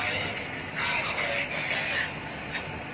ถ้าไม่ได้ขออนุญาตมันคือจะมีโทษ